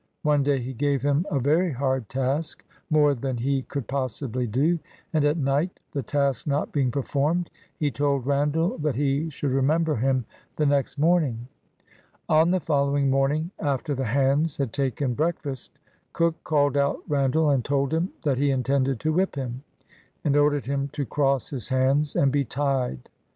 One clay he gave him a very hard task. — more than he could possibly do, — and at night, the task not being performed, he told Randall that he should remember him the next morning. On the following morning, after the hands had taken breakfast, Cook called out Randall and told him that he intended to whip him, and ordered him to cross his hands and be tied.